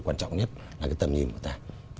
quan trọng nhất là cái tầm nhìn của ta